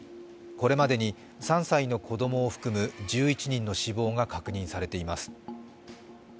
これまでに３歳の子どもを含む１１人の死亡が確認されています。